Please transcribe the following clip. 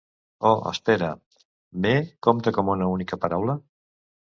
O, espera, "m'he" compta com a una única paraula?